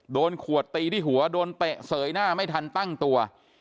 โดนขวดตีที่หัวโดนเตะเสยหน้าไม่ทันตั้งตัว